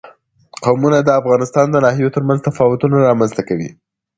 قومونه د افغانستان د ناحیو ترمنځ تفاوتونه رامنځ ته کوي.